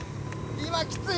今きつい。